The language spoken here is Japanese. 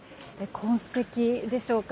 痕跡でしょうか。